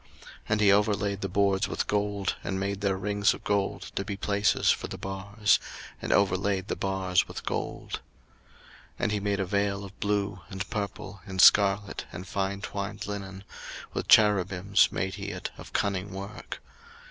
02:036:034 And he overlaid the boards with gold, and made their rings of gold to be places for the bars, and overlaid the bars with gold. 02:036:035 And he made a vail of blue, and purple, and scarlet, and fine twined linen: with cherubims made he it of cunning work.